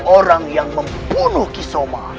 orang yang membunuh kisoma